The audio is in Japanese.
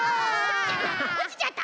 おちちゃった！